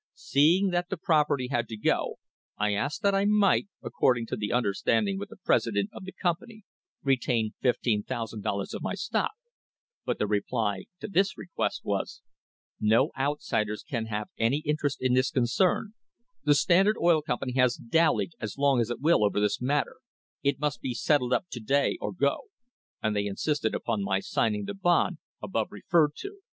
"Seeing that the property had to go, I asked that I might, according to the under standing with the president of the company, retain $15,000 of my stock, but the reply to this request was; 'No outsiders can have any interest in this concern; the Standard Oil Company has "dallied" as long as it will over this matter; it must be settled up to day or go,' and they insisted upon my signing the bond above referred to.